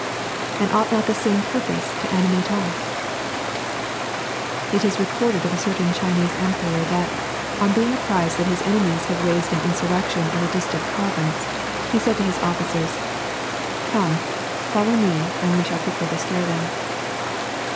And ought not the same purpose to animate us) It is recorded of a certain Chinese emperor that, on being apprised that bis enemies had raised an insurrection in a distant province, he said to his officers :" Come, follow me, and we shall quickly destroy them."